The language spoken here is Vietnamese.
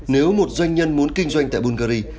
nếu một doanh nhân muốn kinh doanh tại bulgari